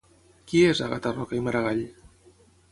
Qui és Àgata Roca i Maragall?